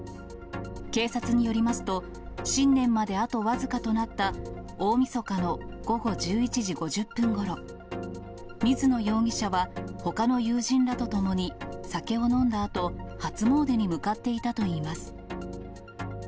警察によりますと、新年まであと僅かとなった大みそかの午後１１時５０分ごろ、水野容疑者は、ほかの友人らと共に酒を飲んだあと、初詣に向かっていたといいます。